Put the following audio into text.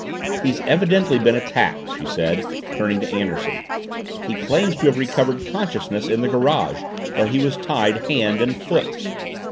"He's evidently been attacked," she said, turning to Anderson. "He claims to have recovered consciousness in the garage, where he was tied hand and foot!"